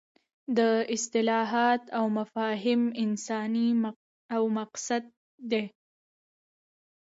دا اصطلاحات او مفاهیم انساني او مقدس دي.